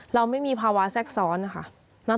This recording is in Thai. เราไม่มีภาวะแทรกซ้อนนะคะ